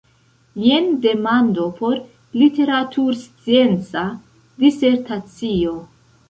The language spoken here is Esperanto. Jen demando por literaturscienca disertacio.